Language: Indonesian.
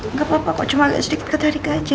enggak apa apa kok cuma sedikit ketarik aja